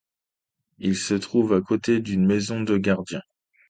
Il se trouve à côté d'une maison de gardien.